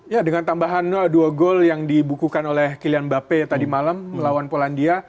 ya dengan tambahan dua gol yang dibukukan oleh kylian mbappe tadi malam melawan polandia